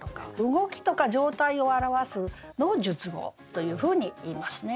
動きとか状態を表すのを述語というふうにいいますね。